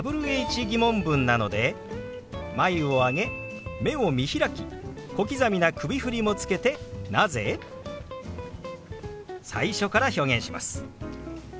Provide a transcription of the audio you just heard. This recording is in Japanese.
ー疑問文なので眉を上げ目を見開き小刻みな首振りもつけて「なぜ？」。最初から表現します。